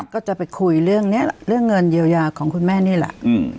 ก็จะไปคุยเรื่องเงินเยียวยาของคุณแม่นี่แหละ